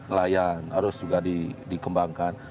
nelayan harus juga dikembangkan